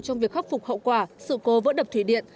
trong việc khắc phục hậu quả sự cố vỡ đập thủy điện